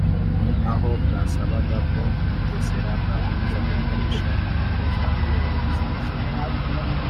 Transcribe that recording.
ni aho bwasabaga ko Mugesera atakomeza gukoresha inyandiko za Abdul Ruzibiza